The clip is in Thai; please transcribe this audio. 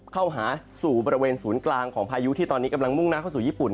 เข้าหาสู่บริเวณศูนย์กลางของพายุที่ตอนนี้กำลังมุ่งหน้าเข้าสู่ญี่ปุ่น